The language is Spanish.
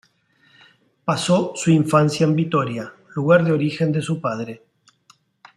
Pasó su infancia en Vitoria, lugar de origen de su padre.